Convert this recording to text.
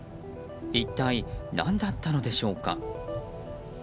一体何だったのでしょうか。